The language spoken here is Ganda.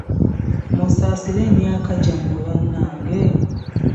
Musaasire emyaka gyammwe bannange.